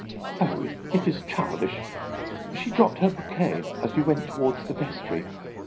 "Oh, it is childish. She dropped her bouquet as we went towards the vestry.